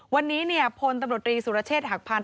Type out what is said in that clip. วันนี้เนี่ยพลตำรวจรีสุรเชษฐ์หักพันธุ์